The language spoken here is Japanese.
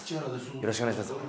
よろしくお願いします。